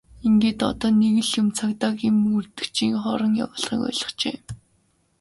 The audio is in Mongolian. Ингээд одоо л нэг юм цагдаагийн мөрдөгчийн хорон явуулгыг ойлгожээ!